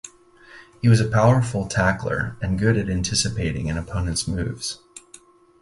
He was a powerful tackler and good at anticipating an opponent's moves.